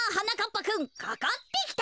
ぱくんかかってきたまえ。